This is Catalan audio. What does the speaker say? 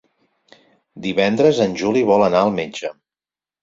Divendres en Juli vol anar al metge.